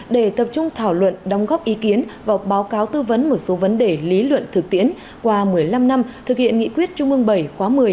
để tập trung thảo luận đóng góp ý kiến và báo cáo tư vấn một số vấn đề lý luận thực tiễn qua một mươi năm năm thực hiện nghị quyết trung ương bảy khóa một mươi